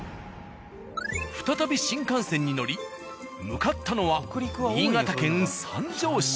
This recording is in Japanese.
再び新幹線に乗り向かったのは新潟県三条市。